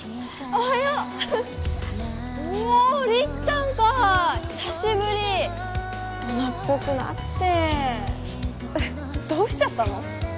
おおりっちゃんか久しぶり大人っぽくなってどうしちゃったの？